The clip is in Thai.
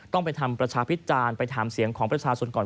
ต้องไปทำประชาพิจารณ์ไปถามเสียงของประชาชนก่อน